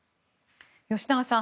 吉永さん